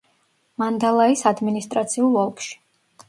მანდალაის ადმინისტრაციულ ოლქში.